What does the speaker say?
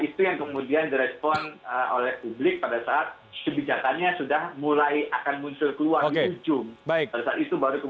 pada saat itu baru kemudian bisa diketahui